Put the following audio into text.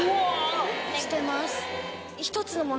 してます。